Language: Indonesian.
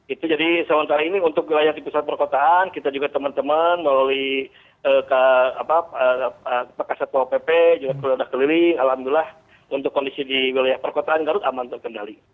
itu jadi sementara ini untuk wilayah di pusat perkotaan kita juga teman teman melalui kasatwa pp juga sudah keliling alhamdulillah untuk kondisi di wilayah perkotaan garut aman terkendali